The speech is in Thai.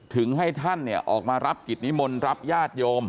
ให้ท่านออกมารับกิจนิมนต์รับญาติโยม